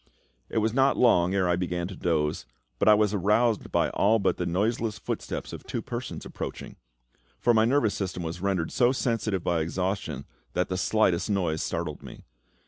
It was not long ere I began to doze, but I was aroused by the all but noiseless footsteps of two persons approaching; for my nervous system was rendered so sensitive by exhaustion that the slightest noise startled me.